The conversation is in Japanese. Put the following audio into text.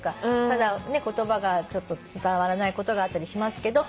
ただ言葉が伝わらないことがあったりしますけど。